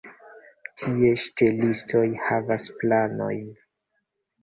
Tie ŝtelistoj havas planojn.